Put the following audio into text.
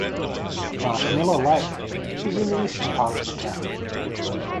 Marsh-Miller Lake is in the eastern part of the town.